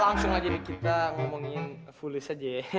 langsung aja nih kita ngomongin full list aja ya